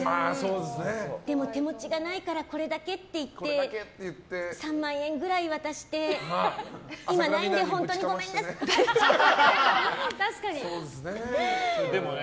でも、手持ちがないからこれだけって言って３万円くらい渡して今ないんで本当にごめんなさいって浅倉南でぶちかましてね。